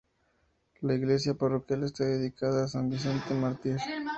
La Iglesia Parroquial está dedicada a San Vicente Mártir.